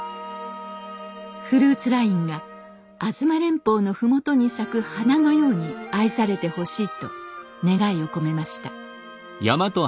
フルーツラインが吾妻連峰の麓に咲く花のように愛されてほしいと願いを込めました。